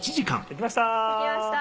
できました。